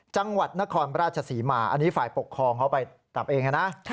จังหวัดนครราชสีหมาไอ้ในฝ่ายปกครองเข้าไปตามเองครับนะ